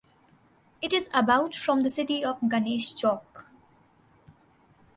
It is about from the city of Ganesh Chowk.